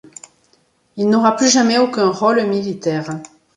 Il n’aura plus jamais aucun rôle militaire.